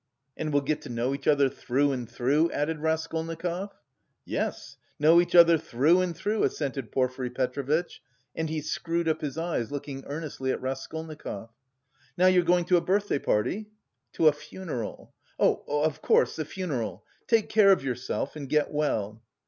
"And will get to know each other through and through?" added Raskolnikov. "Yes; know each other through and through," assented Porfiry Petrovitch, and he screwed up his eyes, looking earnestly at Raskolnikov. "Now you're going to a birthday party?" "To a funeral." "Of course, the funeral! Take care of yourself, and get well."